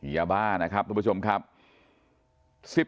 ยาบ้านะครับทุกผู้ชมครับ